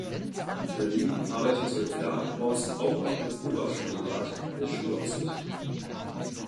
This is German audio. Daneben arbeitete Gravenhorst auch noch als Oberschulrat bei der Schulaufsicht.